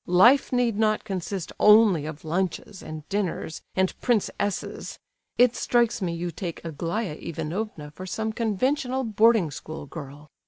Life need not consist only of lunches, and dinners, and Prince S's. It strikes me you take Aglaya Ivanovna for some conventional boarding school girl.